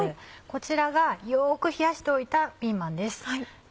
こちらがよく冷やしておいたピーマンです。